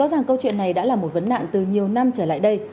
rõ ràng câu chuyện này đã là một vấn nạn từ nhiều năm trở lại đây